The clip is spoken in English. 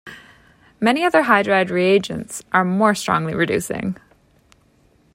Many other hydride reagents are more strongly reducing.